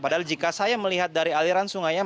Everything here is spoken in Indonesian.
padahal jika saya melihat dari aliran sungainya